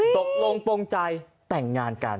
ตกลงปงใจแต่งงานกัน